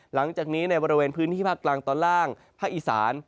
หลังจากนี้ในบริเวณพื้นที่ภาคกลางตอนล่างภาคอีสาน